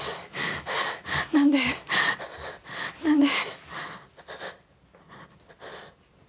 何で何で？